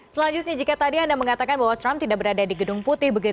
selanjutnya jika tadi anda mengatakan bahwa trump tidak berada di gedung putih